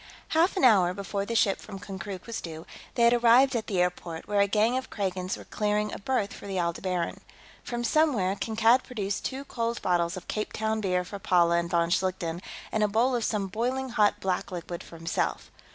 Half an hour before the ship from Konkrook was due, they had arrived at the airport, where a gang of Kragans were clearing a berth for the Aldebaran. From somewhere, Kankad produced two cold bottles of Cape Town beer for Paula and von Schlichten, and a bowl of some boiling hot black liquid for himself.